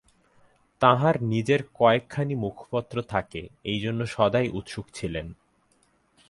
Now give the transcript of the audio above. তাঁহার নিজের কয়েকখানি মুখপত্র থাকে, এজন্য তিনি সদাই উৎসুক ছিলেন।